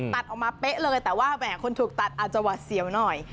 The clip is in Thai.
ตัดออกมาเป๊ะเลยแต่ว่าแหมคนถูกตัดอาจจะหวัดเสียวหน่อย